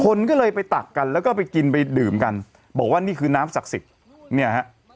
คนก็เลยไปตักกันแล้วก็ไปกินไปดื่มกันบอกว่านี่คือน้ำศักดิ์สิทธิ์เนี่ยฮะ